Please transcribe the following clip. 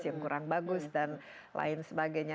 yang kurang bagus dan lain sebagainya